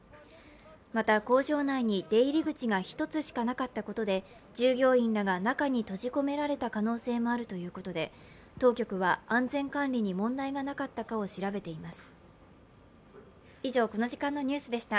また、工場内に出入り口が１つしかなかったことで従業員らが中に閉じ込められた可能性もあるということで当局は安全管理に問題がなかったかを調べています。